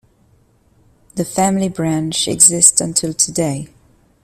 The family branch exist until today.